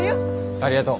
ありがとう。